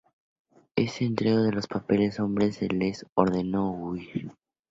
Éste entregó los papeles a sus hombres y les ordenó huir.